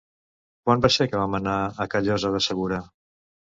Quan va ser que vam anar a Callosa de Segura?